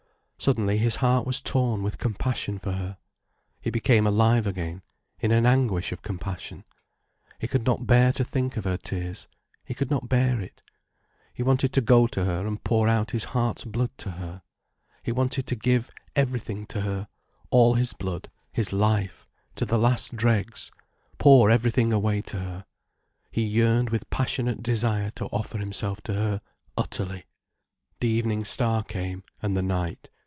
Suddenly his heart was torn with compassion for her. He became alive again, in an anguish of compassion. He could not bear to think of her tears—he could not bear it. He wanted to go to her and pour out his heart's blood to her. He wanted to give everything to her, all his blood, his life, to the last dregs, pour everything away to her. He yearned with passionate desire to offer himself to her, utterly. The evening star came, and the night.